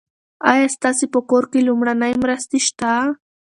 ایا ستاسي په کور کې لومړنۍ مرستې شته؟